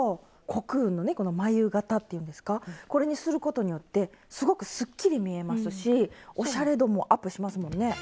コクーンのねこの繭形っていうんですかこれにすることによってすごくすっきり見えますしおしゃれ度もアップしますもんね。